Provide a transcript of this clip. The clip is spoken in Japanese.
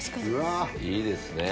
いいですねぇ。